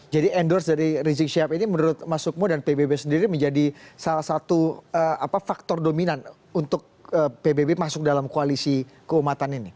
jadi endorse dari rizik syihab ini menurut masukmu dan pbb sendiri menjadi salah satu faktor dominan untuk pbb masuk dalam koalisi keumatan ini